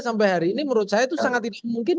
sampai hari ini menurut saya itu sangat tidak mungkin